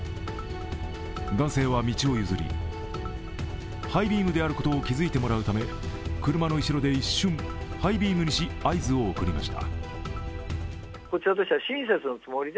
男性は道を譲り、ハイビームであることを気づいてもらうため車の後ろで一瞬、ハイビームにし合図を送りました。